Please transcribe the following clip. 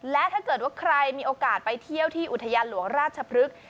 และถ้าเกิดว่าใครมีโอกาสไปเที่ยวที่อุทยานหลวงราชพฤกษ์